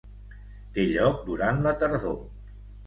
Té lloc durant la tardor.